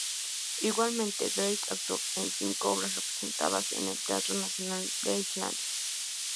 Igualmente, Grieg actuó en cinco obras representadas en el Teatro Nacional de Islandia.